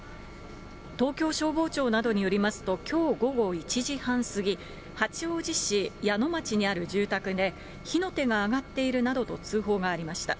東京消防庁などによりますと、きょう午後１時半過ぎ、八王子市谷野町にある住宅で、火の手が上がっているなどと通報がありました。